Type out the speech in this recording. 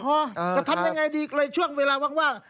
จะทำยังไงดีเลยช่วงเวลาว่าง